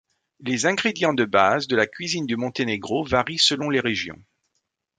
Les ingrédients de base de la cuisine du Monténégro varient selon les régions.